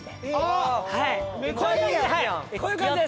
こういう感じです。